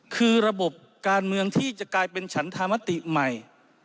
คือระบบการเมืองที่จะกลายเป็นฉันธรรมติใหม่